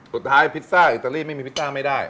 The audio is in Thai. พิซซ่าอิตาลีไม่มีพิซซ่าไม่ได้